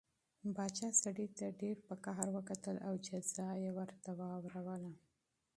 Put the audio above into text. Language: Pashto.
پاچا سړي ته په غوسه وکتل او جزا یې ورته واوروله.